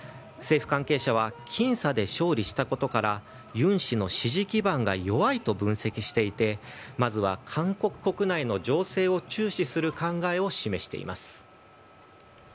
政府関係者は僅差で勝利したことからユン氏の支持基盤が弱いと分析していてまずは韓国国内の情勢を注視する考えを示しています。